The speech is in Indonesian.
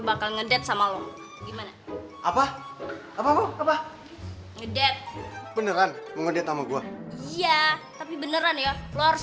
bakal ngedat sama lo gimana apa apa ngedat beneran mengedet sama gua iya tapi beneran ya lu harus